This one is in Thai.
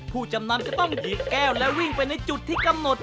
ผู้จำนำจะต้องหยิบแก้วและวิ่งไปในจุดที่กำหนด